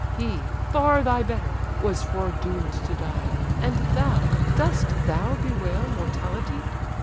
He, far thy better, was foredoom'd to die, And thou, dost thou bewail mortality?